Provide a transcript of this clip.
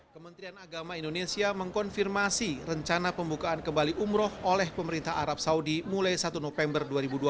kementerian agama indonesia mengkonfirmasi rencana pembukaan kembali umroh oleh pemerintah arab saudi mulai satu november dua ribu dua puluh